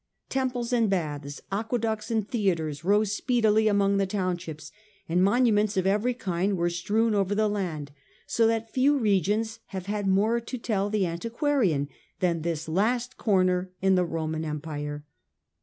Temples and baths, aqueducts and theatres rose speedily among the townships, and monuments of every kind are strewn over the land, so that few regions have had more to tell the antiquarian than this last comer in the Roman empire.